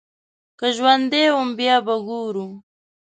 که ژوندی وم بيا به ګورو.